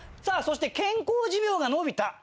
さあそして健康寿命が延びた。